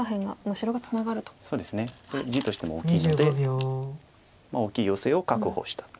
地としても大きいので大きいヨセを確保したと。